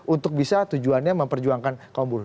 untuk bisa tujuannya memperjuangkan kaum buruh